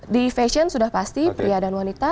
di fashion sudah pasti pria dan wanita